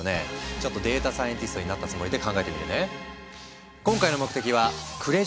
ちょっとデータサイエンティストになったつもりで考えてみるね。